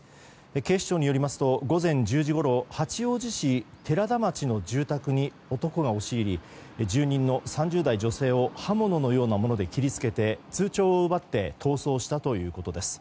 警視庁によりますと午前１０時ごろ八王子市寺田町の住宅に男が押し入り住人の３０代女性を刃物のようなもので切り付けて通帳を奪って逃走したということです。